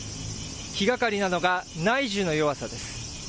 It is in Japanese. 気がかりなのが内需の弱さです。